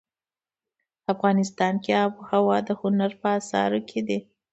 افغانستان کې آب وهوا د هنر په اثار کې دي.